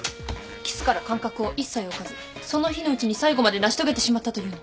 キスから間隔を一切置かずその日のうちに最後まで成し遂げてしまったというの？